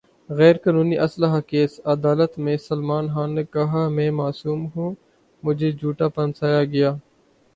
غیر قانونی اسلحہ کیس : عدالت میں سلمان خان نے کہا : میں معصوم ہوں ، مجھے جھوٹا پھنسایا گیا